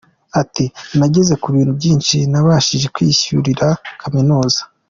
Ati “Nageze ku bintu byinshi, nabashije kwiyishyurira kaminuza.